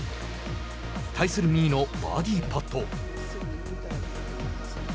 対する仁井のバーディーパット。